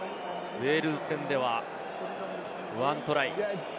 ウェールズ戦では１トライ。